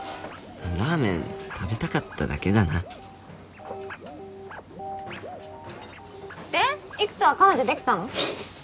ラーメン食べたかっただけだなで偉人は彼女できたの？